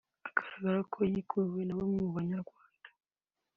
agaragara ko yikubiwe na bamwe mu banyarwanda